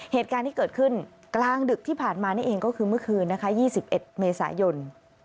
เหตุการณ์ที่เกิดขึ้นกลางดึกที่ผ่านมานี่เองก็คือเมื่อคืนนะคะ๒๑เมษายน